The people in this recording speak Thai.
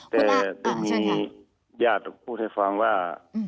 แต่ก็มีญาติพูดให้ฟังว่า